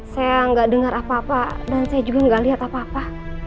saya nggak dengar apa apa dan saya juga nggak lihat apa apa